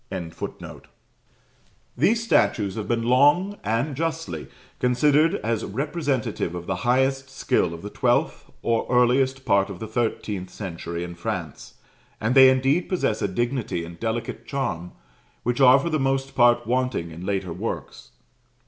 ] These statues have been long, and justly, considered as representative of the highest skill of the twelfth or earliest part of the thirteenth century in France; and they indeed possess a dignity and delicate charm, which are for the most part wanting in later works.